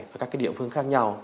và các cái địa phương khác nhau